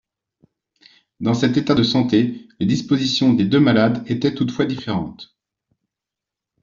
Dans cet état de santé, les dispositions des deux malades étaient toutefois différentes.